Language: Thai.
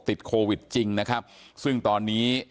ติดโควิดจริงนะครับซึ่งตอนนี้